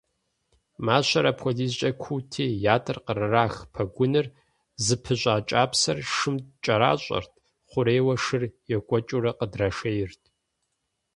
Мащэр апхуэдизкӏэ куути, ятӏэр къызэрырах пэгуныр зыпыщӏа кӏапсэр шым кӏэращӏэрт, хъурейуэ шыр екӏуэкӏыурэ къыдрашейрт.